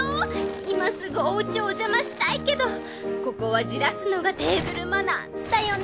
今すぐおうちおじゃましたいけどここはじらすのがテーブルマナー。だよね！